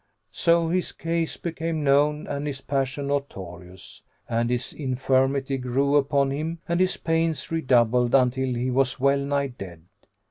So his case became known and his passion notorious; and his infirmity grew upon him and his pains redoubled until he was well nigh dead.